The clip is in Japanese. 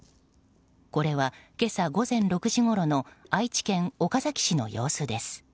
これは今朝午前６時ごろの愛知県岡崎市の様子です。